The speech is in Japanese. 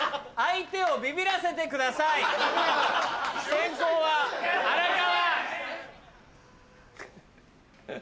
先攻は荒川！